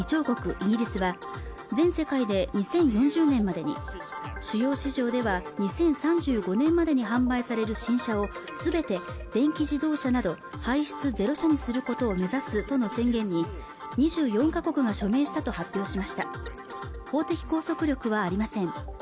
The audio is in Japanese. イギリスは全世界で２０４０年までに主要市場では２０３５年までに販売される新車をすべて電気自動車など排出ゼロ車にすることを目指すとの宣言に２４か国が署名したと発表しました法的拘束力はありません